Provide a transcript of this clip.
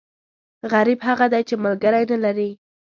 غریب هغه دی، چې ملکری نه لري.